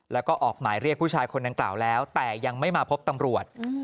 แล้วก็ออกหมายเรียกผู้ชายคนดังกล่าวแล้วแต่ยังไม่มาพบตำรวจ